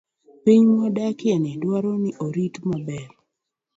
Piny mwadakieni dwaro ni orit maber.